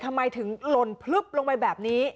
ทำไมถึงปลึงลงแบบนี้